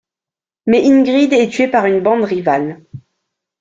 Mais Ingrid est tuée par une bande rivale.